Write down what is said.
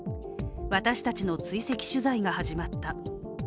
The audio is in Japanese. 私たちの追跡取材が始まった。